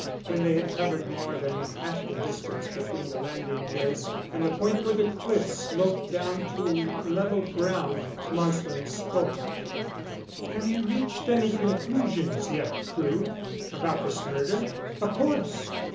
When they had covered more than half the distance between the landing place and the point where the cliffs sloped down to level ground, Marsland spoke. "Have you reached any conclusions yet, Crewe?" "About this murder?" "Of course."